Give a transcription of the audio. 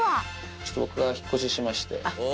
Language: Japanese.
ちょっと僕が引っ越ししまして。